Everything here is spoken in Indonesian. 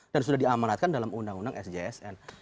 dan sudah diamanatkan dalam undang undang sjsn